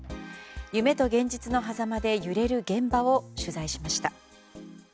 夢と現実のはざまで揺れる現場を取材しました。